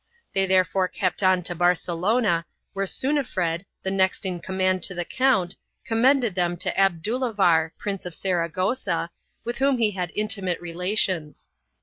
They therefore kept on to Barcelona, where Sunifred, the next in command to the count, commended them to Abdulivar, Prince of Saragossa, with whom he had intimate relations.